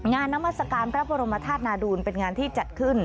นามัศกาลพระบรมธาตุนาดูลเป็นงานที่จัดขึ้น